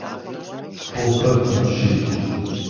Фо бэв апщий.